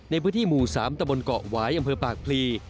ในพื้นที่หมู่๓ตะบนเกาะหวายอำเภอปากพลี